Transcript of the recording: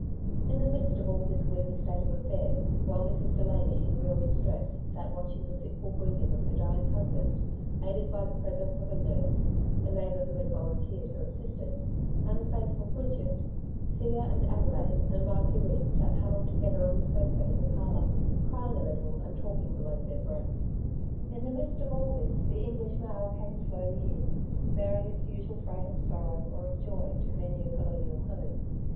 In the midst of all this gloomy state of affairs, while Mrs. Delany in real distress sat watching the fitful breathing of her dying husband, aided by the presence of a nurse, a neighbour who had volun teered her assistance, and the faithful Bridget, Thea, and Adelaide, and Marguerite sat huddled together on the sofa in the parlour, crying a little and talking below their breath. In the midst of all this the English mail came slowly in, bearing its usual freight of sorrow or of 144 *'^^'^ Sides to every Question^ joy to many a colonial home.